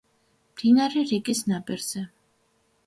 მდინარე რიკის ნაპირზე.